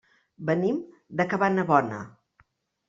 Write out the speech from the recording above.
Venim de Cabanabona.